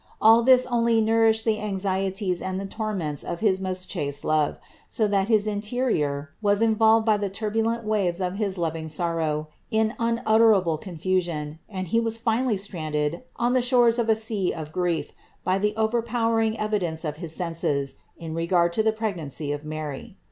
All this only nourished the anxieties and the torments of his most chaste love, so that his interior was involved by the turbu lent waves of his loving sorrow in unutterable confusion and he was finally stranded on the shores of a sea of grief by the overpowering evidence of his senses in regard to the pregnancy of Mary.